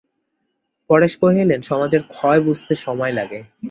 পরেশ কহিলেন, সমাজের ক্ষয় বুঝতে সময় লাগে।